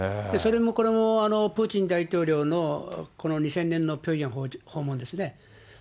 それもこれも、プーチン大統領の、この２０００年のピョンヤン訪問ですね。